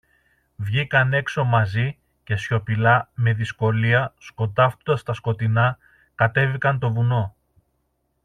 Βγήκαν έξω μαζί, και σιωπηλά, με δυσκολία, σκοντάφτοντας στα σκοτεινά, κατέβηκαν το βουνό.